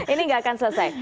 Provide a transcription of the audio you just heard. ini gak akan selesai